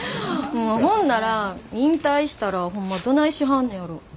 もうほんなら引退したらホンマどないしはんねやろ。